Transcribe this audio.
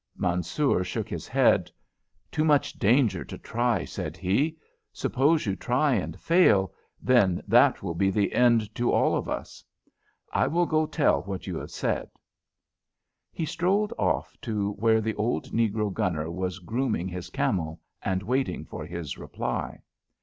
Mansoor shook his head. "Too much danger to try," said he. "Suppose you try and fail, then that will be the end to all of us. I will go tell what you have said." He strolled off to where the old negro gunner was grooming his camel and waiting for his reply.